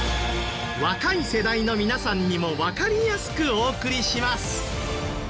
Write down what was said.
若い世代の皆さんにもわかりやすくお送りします。